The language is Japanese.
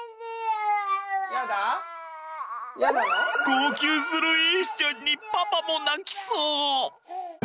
号泣する瑛志ちゃんにパパも泣きそう。